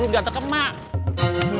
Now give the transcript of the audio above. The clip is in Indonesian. nah payah macam mana